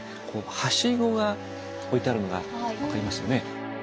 はしごが置いてあるのが分かりますよね。